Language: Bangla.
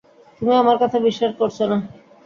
তুমি আমার কথা বিশ্বাস করছ না!